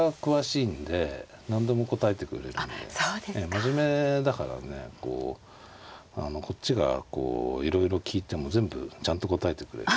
真面目だからねこっちがいろいろ聞いても全部ちゃんと答えてくれる。